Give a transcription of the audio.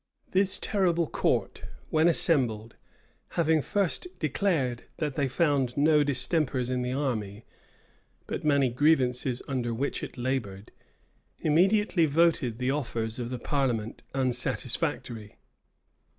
This terrible court, when assembled, having first declared that they found no distempers in the army, but many grievances under which it labored, immediately voted the offers of the parliament unsatisfactory.